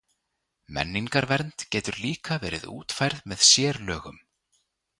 Menningarvernd getur líka verið útfærð með sérlögum.